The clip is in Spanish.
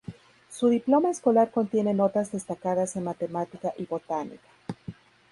Su diploma escolar contiene notas destacadas en matemática y botánica.